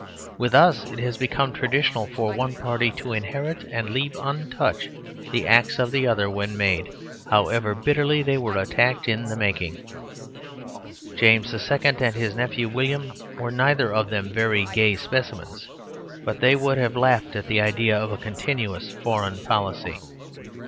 With us it has become traditional for one party to inherit and leave untouched the acts of the other when made, however bitterly they were attacked in the making. James II. and his nephew William were neither of them very gay specimens; but they would both have laughed at the idea of "a continuous foreign policy."